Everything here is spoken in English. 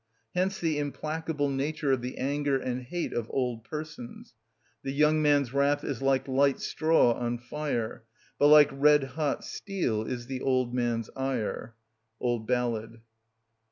Hence the implacable nature of the anger and hate of old persons— "The young man's wrath is like light straw on fire, But like red hot steel is the old man's ire." —_Old Ballad.